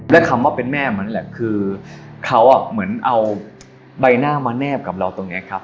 และคำว่าเป็นแม่มันแหละคือเขาเหมือนเอาใบหน้ามาแนบกับเราตรงนี้ครับ